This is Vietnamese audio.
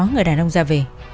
người đàn ông ra về